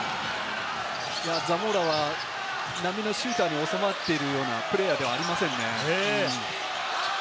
ザモーラは長年シューターに収まっているようなプレーヤーではありませんね。